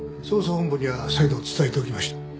捜査本部には再度伝えておきました。